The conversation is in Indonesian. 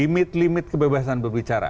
limit limit kebebasan berbicara